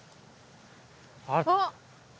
あっ。